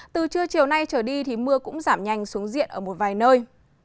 từ trưa chiều nay trở đi thì mưa cũng giảm nhanh xuống diện ở một vài nơi